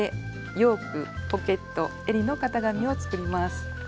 ヨークポケットえりの型紙を作ります。